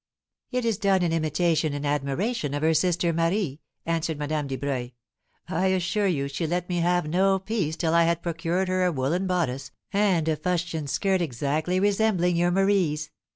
"It is done in imitation and admiration of her sister Marie," answered Madame Dubreuil; "I assure you she let me have no peace till I had procured her a woollen bodice, and a fustian skirt exactly resembling your Marie's.